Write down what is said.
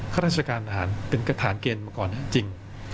ข้าราชการทหารเป็นกระฐานเกณฑ์มาก่อนจริง